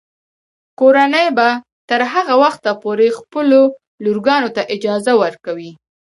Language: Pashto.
کورنۍ به تر هغه وخته پورې خپلو لورګانو ته اجازه ورکوي.